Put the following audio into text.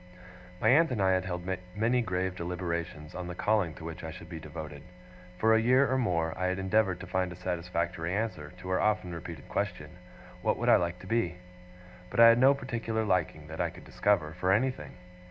My aunt and I had held many grave deliberations on the calling to which I should be devoted. For a year or more I had endeavoured to find a satisfactory answer to her often repeated question, 'What I would like to be?' But I had no particular liking, that I could discover, for anything.